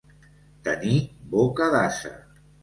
Tenir boca d'ase.